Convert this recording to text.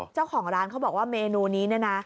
เจ้าของร้านเขาบอกว่าเมนูนี้เนี่ยนะ